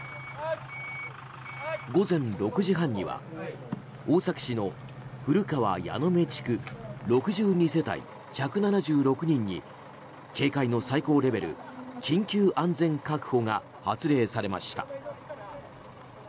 午前６時半には大崎市の古川矢目地区６２世帯１７６人に警戒の最高レベル緊急安全確保が発令されました。